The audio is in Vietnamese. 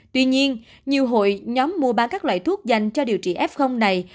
tuy nhiên nhiều hội nhóm mua bán các loại thuốc dành cho điều trị f này